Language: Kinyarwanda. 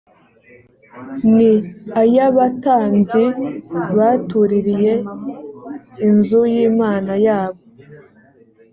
ni ay’abatambyi batuririye inzu y’imana yabo